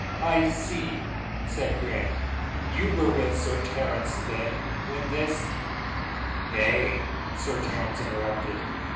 "I see," said Grant. "You were with Sir Terence, then, when this " "Nay," Sir Terence interrupted.